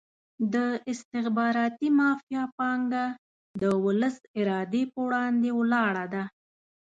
د استخباراتي مافیا پانګه د ولس ارادې په وړاندې ولاړه ده.